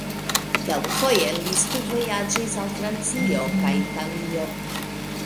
Kelkfoje li studvojaĝis al Francio kaj Italio.